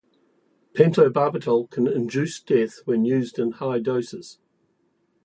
Pentobarbital can induce death when used in high doses.